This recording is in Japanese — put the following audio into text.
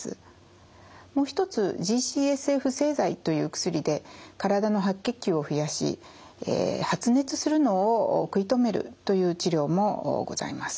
もう一つＧ−ＣＳＦ製剤という薬で体の白血球を増やし発熱するのを食い止めるという治療もございます。